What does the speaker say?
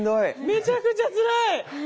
めちゃくちゃつらい。